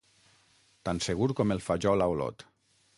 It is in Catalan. Tan segur com el fajol a Olot.